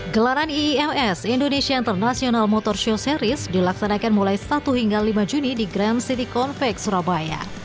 gelaran iims indonesia international motor show series dilaksanakan mulai satu hingga lima juni di grand city convex surabaya